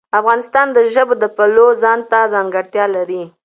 افغانستان د ژبو د پلوه ځانته ځانګړتیا لري.